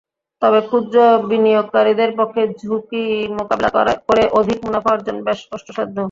তবে ক্ষুদ্র বিনিয়োগকারীদের পক্ষে ঝুঁকি মোকাবিলা করে অধিক মুনাফা অর্জন বেশ কষ্টসাধ্য।